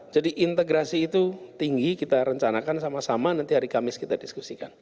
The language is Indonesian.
jadi integrasi itu tinggi kita rencanakan sama sama nanti hari kamis kita diskusikan